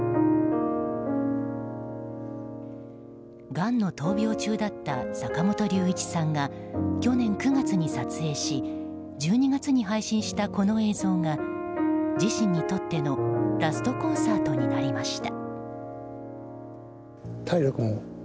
がんの闘病中だった坂本龍一さんが去年９月に撮影し１２月に配信したこの映像が自身にとってのラストコンサートになりました。